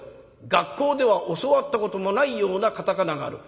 学校では教わったこともないような片仮名がある。